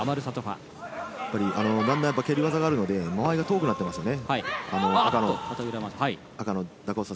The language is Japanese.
蹴り技があるので間合いが遠くなっていますよね。